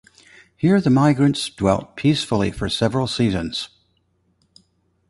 Here the migrants dwelt peacefully for several seasons.